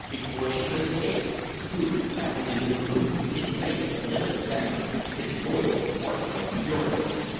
Before she could escape, Struve bounded into the room, his face livid with anger, his voice hoarse and furious.